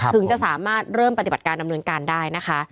ถึงจะสามารถเริ่มปฏิบัติการดำเนินการได้นะคะ